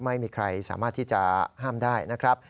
ไม่มีใครสามารถที่จะห้ามได้นะครับ